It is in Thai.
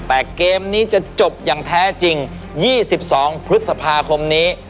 แต่เกมนี้จะจบอย่างแท้จริง๒๒พฤษภาคมนี้